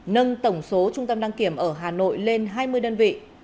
nâng tổng số trung tâm đăng kiểm ở hà nội lên hai mươi đơn vị